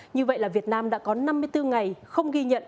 như vậy là việt nam đã có năm mươi bốn ngày không ghi nhận